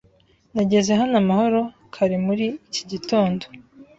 Nageze hano amahoro kare muri iki gitondo.